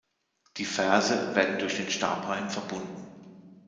Die Verse werden durch den Stabreim verbunden.